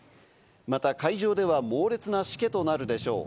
また海上では猛烈なしけとなるでしょう。